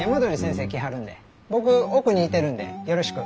僕奥にいてるんでよろしく。